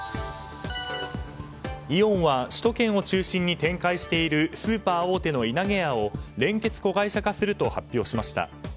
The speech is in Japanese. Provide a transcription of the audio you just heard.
イオンは首都圏を中心に展開しているスーパー大手のいなげやを連結子会社化すると発表しました。